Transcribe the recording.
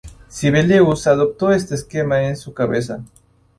Sibelius adoptó este esquema en su cabeza.